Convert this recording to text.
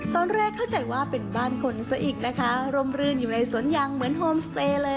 ตอนแรกเข้าใจว่าเป็นบ้านคนซะอีกนะคะร่มรื่นอยู่ในสวนยางเหมือนโฮมสเตย์เลย